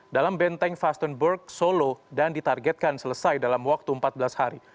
dalam benteng fasttonburg solo dan ditargetkan selesai dalam waktu empat belas hari